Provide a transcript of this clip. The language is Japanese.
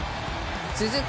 続く